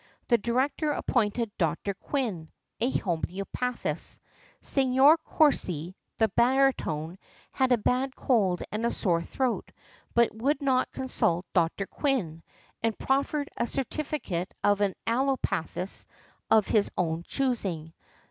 The director appointed Dr. Quin, an homœopathist. Signor Corsi, the baritone, had a bad cold and a sore throat, but would not consult Dr. Quin, and proffered a certificate of an allopathist of his own choosing.